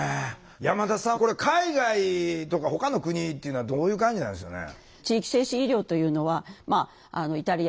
山田さんこれ海外とかほかの国っていうのはどういう感じなんでしょうね？